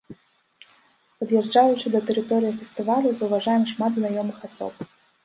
Пад'язджаючы да тэрыторыі фестывалю, заўважаем шмат знаёмых асоб.